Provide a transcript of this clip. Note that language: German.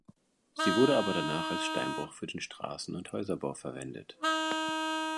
Sie wurde aber danach als Steinbruch für den Strassen- und Häuserbau verwendet.